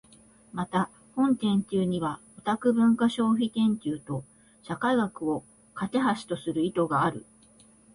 また、本研究にはオタク文化消費研究と社会学を架橋する意図がある。